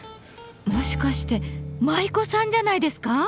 もしかして舞妓さんじゃないですか？